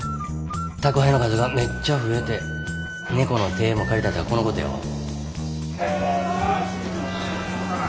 宅配の数がめっちゃ増えて「猫の手も借りたい」とはこのことやわ。